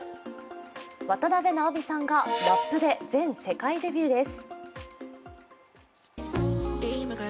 渡辺直美さんがラップで全世界デビューです。